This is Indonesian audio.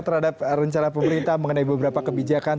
terhadap rencana pemerintah mengenai beberapa kebijakan